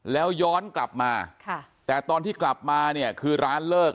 แล้วย้อนกลับมาแต่ตอนที่กลับมาเนี่ยคือร้านเลิก